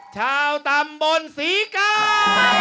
ชาวตำบลศรีกาย